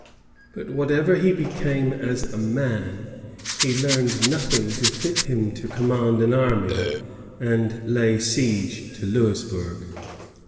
But whatever he became as a man, he learned nothing to fit him to command an army and lay siege to Louisbourg.